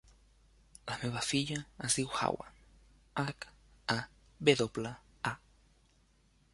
La meva filla es diu Hawa: hac, a, ve doble, a.